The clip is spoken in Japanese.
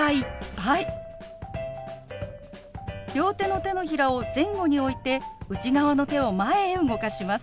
両手の手のひらを前後に置いて内側の手を前へ動かします。